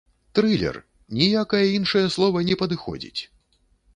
Трылер, ніякае іншае слова не падыходзіць!